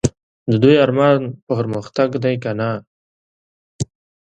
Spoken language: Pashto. د دوی ارمان پرمختګ دی که نه ؟